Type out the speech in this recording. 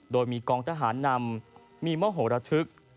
โดยมีกองทหารนำมีมโหระทึก